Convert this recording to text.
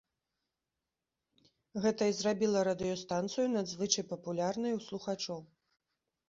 Гэта і зрабіла радыёстанцыю надзвычай папулярнай у слухачоў.